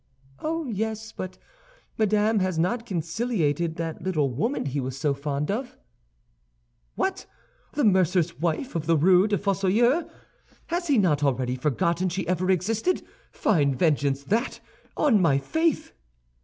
"Oh, yes; but Madame has not conciliated that little woman he was so fond of." "What, the mercer's wife of the Rue des Fossoyeurs? Has he not already forgotten she ever existed? Fine vengeance that, on my faith!"